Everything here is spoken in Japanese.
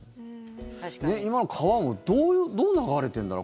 今の川もどう流れてるんだろう？